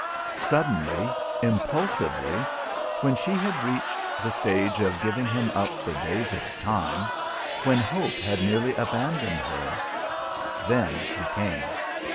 Suddenly, impulsively, when she had reached the stage of giving him up for days at a time, when hope had nearly abandoned her, then he came.